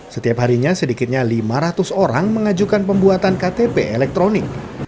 setiap harinya sedikitnya lima ratus orang mengajukan pembuatan ktp elektronik